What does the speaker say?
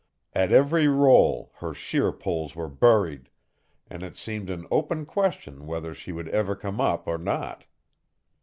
At every roll her sheerpoles were buried, and it seemed an open question whether she would ever come up or not.